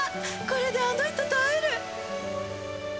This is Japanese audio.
これであの人と会える！